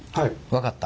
分かった。